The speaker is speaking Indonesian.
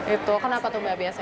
itu kenapa tuh mbak biasanya